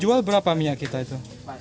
jual berapa minyak kita itu